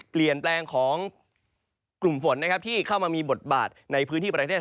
เปลี่ยนแปลงของกลุ่มฝนนะครับที่เข้ามามีบทบาทในพื้นที่ประเทศ